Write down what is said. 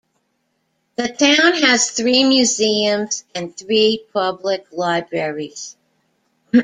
The town has three museums and three public libraries.